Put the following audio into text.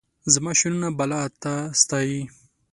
زماشعرونه به لا تا ستایي